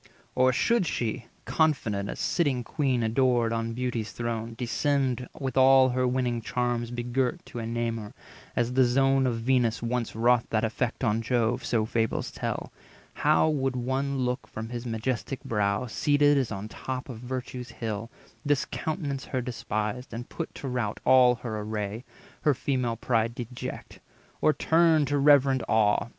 Or should she, confident, As sitting queen adored on Beauty's throne, Descend with all her winning charms begirt To enamour, as the zone of Venus once Wrought that effect on Jove (so fables tell), How would one look from his majestic brow, Seated as on the top of Virtue's hill, Discountenance her despised, and put to rout All her array, her female pride deject, Or turn to reverent awe!